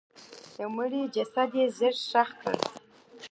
د مړي جسد یې ژر ښخ کړ.